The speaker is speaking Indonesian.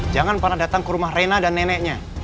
jangan pernah datang ke rumah rena dan neneknya